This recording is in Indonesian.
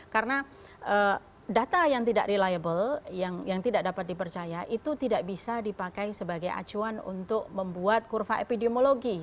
karena data yang tidak reliable yang tidak dapat dipercaya itu tidak bisa dipakai sebagai acuan untuk membuat kurva epidemiologi